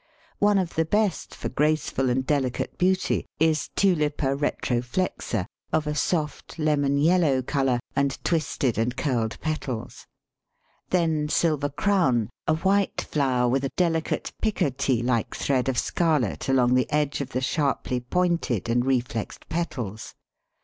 One of the best for graceful and delicate beauty is Tulipa retroflexa, of a soft lemon yellow colour, and twisted and curled petals; then Silver Crown, a white flower with a delicate picotee like thread of scarlet along the edge of the sharply pointed and reflexed petals.